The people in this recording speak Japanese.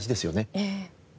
ええ。